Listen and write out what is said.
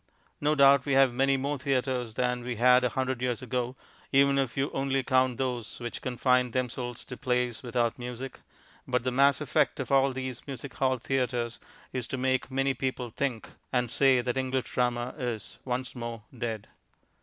No doubt we have many more theatres than we had a hundred years ago, even if you only count those which confine themselves to plays without music, but the mass effect of all these music hall theatres is to make many people think and say that English Drama is (once more) dead.